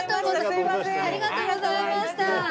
ありがとうございましたどうも。